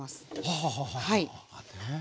はあはあはあねえ。